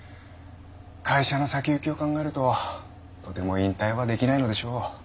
会社の先行きを考えるととても引退はできないのでしょう。